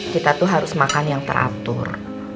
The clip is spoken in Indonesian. kita tuh harus makan yang teratur